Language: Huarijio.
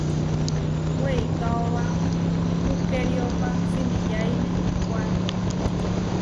Weikaóba pukeriópa simiyáine kuándo.